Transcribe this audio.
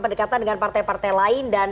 berdekatan dengan partai partai lain dan